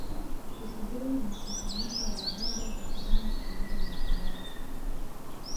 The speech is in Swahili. Kiswahili ni mchanganyiko wa lahaja za kibantu pamoja na kiarabu